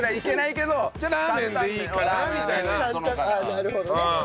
なるほどね。